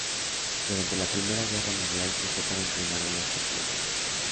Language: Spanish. Durante la Primera Guerra Mundial se usó para entrenar a las tripulaciones.